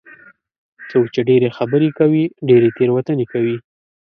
څوک چې ډېرې خبرې کوي، ډېرې تېروتنې کوي.